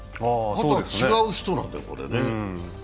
あとは違う人なんだよ、これね。